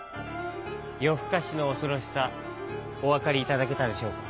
よふかしのおそろしさおわかりいただけたでしょうか？